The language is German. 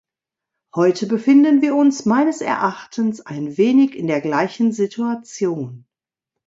Heute befinden wir uns meines Erachtens ein wenig in der gleichen Situation.